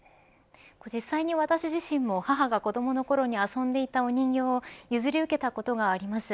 実際に私自身も母が子どものころに遊んでいた人形を譲り受けたことがあります。